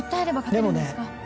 でもね